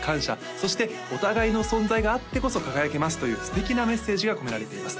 そしてお互いの存在があってこそ輝けますという素敵なメッセージが込められています